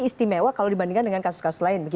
istimewa kalau dibandingkan dengan kasus kasus lain